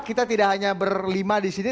kita tidak hanya berlima di sini